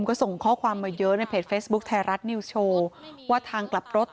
ก็ส่งข้อความมาเยอะในเพจเฟซบุ๊คไทยรัฐนิวโชว์ว่าทางกลับรถ